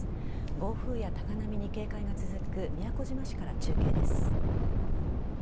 暴風や高波に警戒が続く宮古島市から中継です。